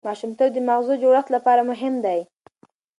ماشومتوب د ماغزو د جوړښت لپاره مهم دی.